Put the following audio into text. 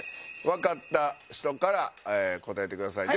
わかった人から答えてください。